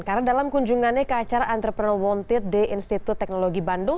karena dalam kunjungannya ke acara entrepreneur wanted di institut teknologi bandung